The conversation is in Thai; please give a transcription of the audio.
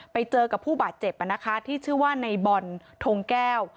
ไปเจอกับผู้บาดเจ็บที่ชื่อว่าในบอลทงแก้ว